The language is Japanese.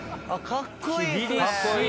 かっこいい。